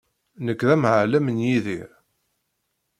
Nekk d amɛellem n Yidir.